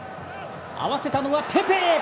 合わせたのはペペ。